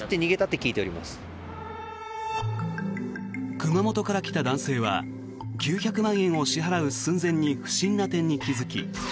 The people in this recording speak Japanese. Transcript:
熊本から来た男性は９００万円を支払う寸前に不審な点に気付き